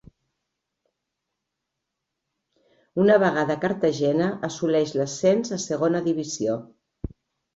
Una vegada a Cartagena assoleix l'ascens a Segona Divisió.